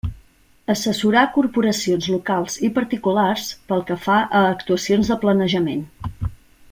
Assessorar corporacions locals i particulars pel que fa a actuacions de planejament.